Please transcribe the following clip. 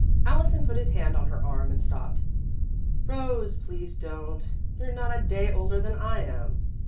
Allison put his hand on her arm and stopped. "Rose, please don't. You're not a day older than I am."